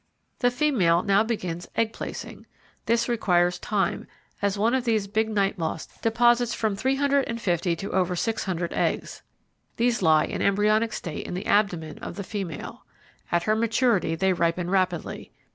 The female now begins egg placing. This requires time, as one of these big night moths deposits from three hundred and fifty to over six hundred eggs. These lie in embryonic state in the abdomen of the female. At her maturity they ripen rapidly.